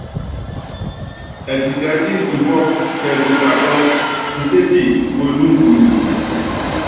Ɛtitɛɛ́tíni mfúkɔ́ tɛ kisaakúlɔ, Nsetie welúŋukuluŋ.